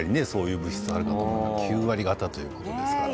９割方ということですからね。